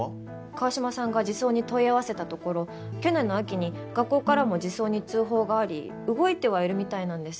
川島さんが児相に問い合わせたところ去年の秋に学校からも児相に通報があり動いてはいるみたいなんです。